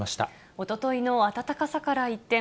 おとといの暖かさから一転。